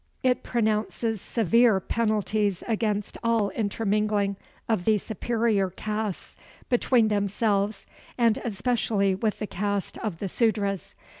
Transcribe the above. It pronounces severe penalties against all intermingling of the superior castes between themselves, and especially with the caste of the Sudras.